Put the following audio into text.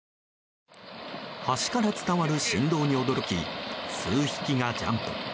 橋から伝わる振動に驚き数匹がジャンプ。